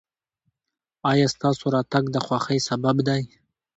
ایا ستاسو راتګ د خوښۍ سبب دی؟